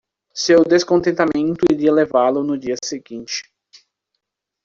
Seu descontentamento iria levá-lo no dia seguinte.